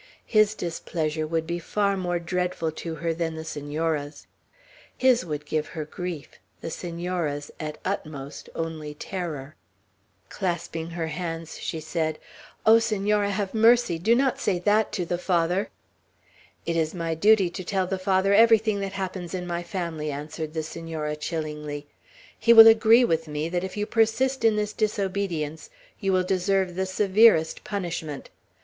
His displeasure would be far more dreadful to her than the Senora's. His would give her grief; the Senora's, at utmost, only terror. Clasping her hands, she said, "Oh, Senora, have mercy! Do not say that to the Father!" "It is my duty to tell the Father everything that happens in my family," answered the Senora, chillingly. "He will agree with me, that if you persist in this disobedience you will deserve the severest punishment.